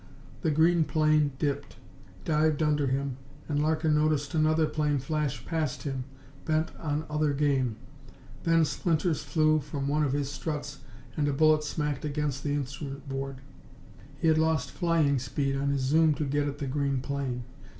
The green plane dipped, dived under him, and Larkin noticed another plane flash past him, bent on other game. Then splinters flew from one of his struts and a bullet smacked against the instrument board. He had lost flying speed on his zoom to get at the green plane.